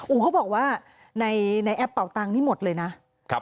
โอ้โหเขาบอกว่าในแอปเป่าตังค์นี่หมดเลยนะ